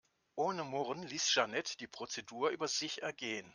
Ohne Murren ließ Jeanette die Prozedur über sich ergehen.